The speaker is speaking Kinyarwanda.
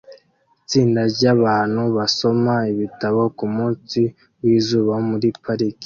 Itsinda ryabantu basoma ibitabo kumunsi wizuba muri parike